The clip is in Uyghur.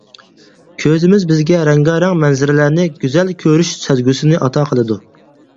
كۆزىمىز بىزگە رەڭگارەڭ مەنزىرىلەرنى، گۈزەل كۆرۈش سەزگۈسىنى ئاتا قىلىدۇ.